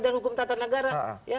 dan hukum tata negara